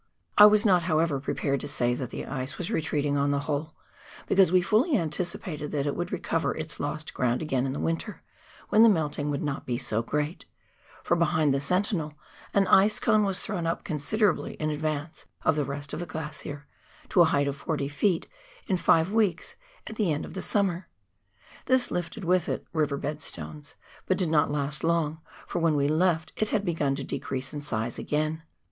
I was not, however, prepared to say that the ice was retreating on the whole, because we fully anticipated that it would recover its lost ground again in the winter, when the melting would not be so great ; for behind the Sentinel, an ice cone was thrown up considerably in advance of the rest of the glacier, to a height of 40 ft. in five weeks at the end of the summer. This lifted with it river bed stones, but did not last long, for when we left it had begun to decrease in size again.